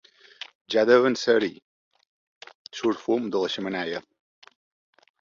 Ja deuen ésser-hi: surt fum de la xemeneia.